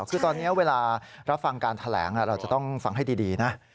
คือตอนนี้เวลารับฟังการแถลงเราจะต้องฟังให้ดีนะ